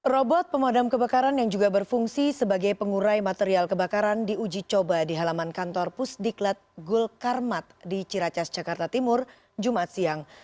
robot pemadam kebakaran yang juga berfungsi sebagai pengurai material kebakaran diuji coba di halaman kantor pusdiklat gul karmat di ciracas jakarta timur jumat siang